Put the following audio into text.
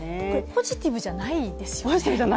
ポジティブじゃないですね。